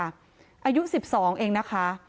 อายุ๑๒เองนะคะ